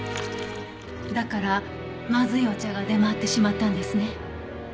だからまずいお茶が出回ってしまったんですね。